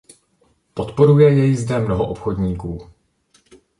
Podporuje jej zde mnoho obchodníků.